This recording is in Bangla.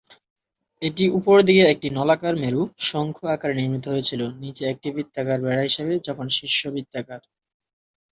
এটি উপরের দিকে একটি নলাকার মেরু শঙ্কু আকারে নির্মিত হয়েছিল, নীচে একটি বৃত্তাকার বেড়া হিসাবে, যখন শীর্ষ বৃত্তাকার।